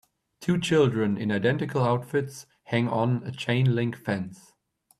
Two children in identical outfits hang on a chain link fence.